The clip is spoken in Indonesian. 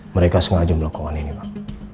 mereka sengaja melakukan ini pak